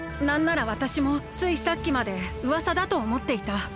なんならわたしもついさっきまでうわさだとおもっていた。